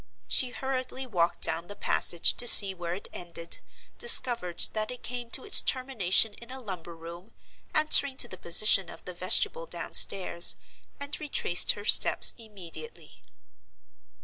She hurriedly walked down the passage to see where it ended, discovered that it came to its termination in a lumber room, answering to the position of the vestibule downstairs, and retraced her steps immediately.